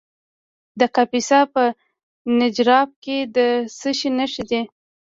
د کاپیسا په نجراب کې د څه شي نښې دي؟